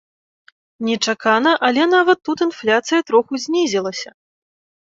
Нечакана, але нават тут інфляцыя троху знізілася!